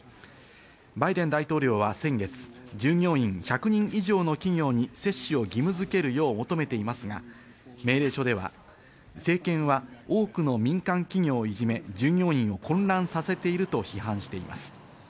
バイデン大統領は先月、従業員１００人以上の企業に接種を義務づけるよう求めていますが、命令書では、政権は多くの民間企業をいじめ、従業員を混乱させていると批判しています。